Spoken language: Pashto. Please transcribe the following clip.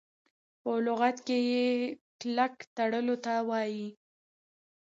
په لغت کي کلک تړلو ته وايي .